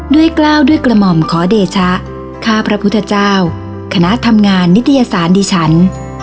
กล้าวด้วยกระหม่อมขอเดชะข้าพระพุทธเจ้าคณะทำงานนิตยสารดิฉัน